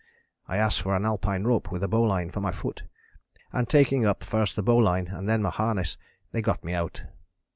I asked for an Alpine rope with a bowline for my foot: and taking up first the bowline and then my harness they got me out."